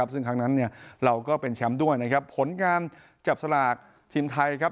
ซึ่งครั้งนั้นเราก็เป็นแชมป์ด้วยนะครับผลงานจับสลากทีมไทยครับ